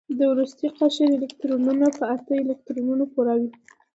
د وروستي قشر الکترونونه په اته الکترونونو پوره کوي.